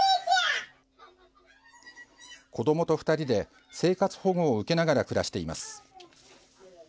子どもと２人で、生活保護を受けながら暮らしています。